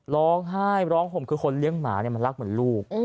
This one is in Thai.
ร้องไห้ร้องห่มคือคนเลี้ยงหมาเนี่ยมันรักเหมือนลูก